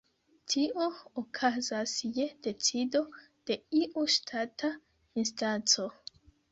Tio okazas je decido de iu ŝtata instanco.